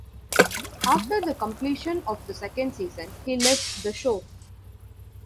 After the completion of the second season, he left the show.